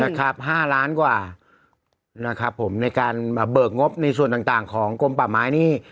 นะครับห้าร้านกว่านะครับผมในการมาเบิกงบในส่วนต่างต่างของกลมป่าไม้นี่